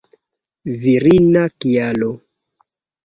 Virina kialo.